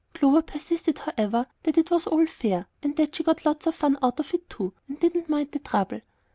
Clover persisted, however, that it was all fair, and that she got lots of fun out of it too, and didn't mind the trouble.